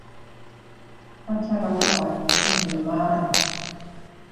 พชรภรณ์ ถนิมมาศ